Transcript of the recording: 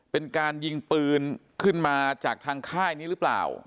เป็นการยิงปืนขึ้นมาจากทางค่ายนี้หรือเปล่า